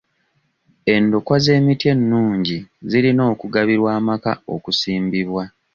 Endokwa z'emiti ennungi zirina okugabirwa amaka okusimbibwa.